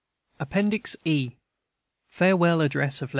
Appendix E Farewell Address of Lt.